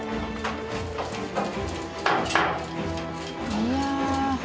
いや。